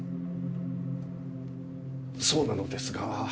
そうなのですが。